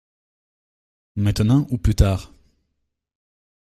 Maintenant ou plus tard ?